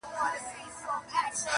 پلار یې پلنډه کړ روان مخ پر بېدیا سو-